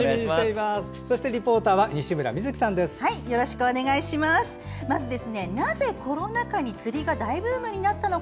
そしてリポーターは西村美月さんです。